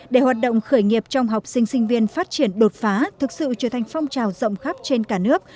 để hoạt động khởi nghiệp trong học sinh sinh viên phát triển đột phá thực sự trở thành phong trào rộng khắp trên cả nước